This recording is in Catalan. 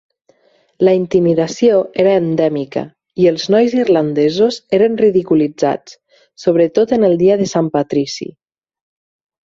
La intimidació era endèmica i els nois irlandesos eren ridiculitzats, sobretot en el dia de Sant Patrici.